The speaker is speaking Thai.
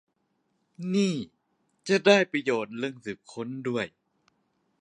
นี่จะได้ประโยชน์เรื่องสืบค้นด้วย